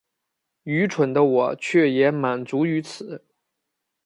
愚蠢的我却也满足於此